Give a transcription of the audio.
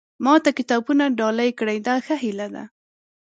ما ته کتابونه ډالۍ کړي دا ښه هیله ده.